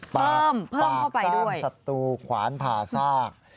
เพิ่มเพิ่มเข้าไปด้วยปากซ่ามสัตว์ตูขวานผ่าซาก